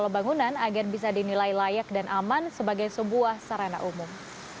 kalau bangunan agar bisa dinilai layak dan aman sebagai sebuah serena umum